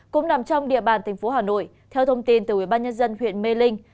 cũng nằm trong địa bàn tp hà nội theo thông tin từ ubnd huyện mê linh